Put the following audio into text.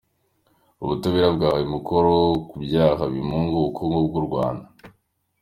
Ubutabera bwahawe umukoro ku byaha bimunga ubukungu bw’u Rwanda.